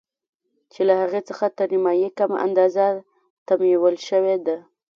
چې له هغې څخه تر نيمايي کمه اندازه تمويل شوې ده.